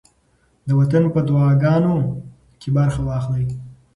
د وطن په دعاګانو کې برخه واخلئ.